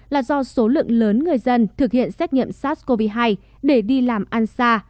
là do số lượng lớn người dân thực hiện xét nghiệm sars cov hai để đi làm ăn xa